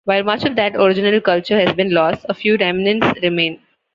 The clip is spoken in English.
While much of that original culture has been lost, a few remnants remain.